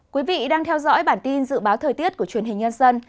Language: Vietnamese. quý vị đang theo dõi bản tin dự báo thời tiết của truyền hình nhân dân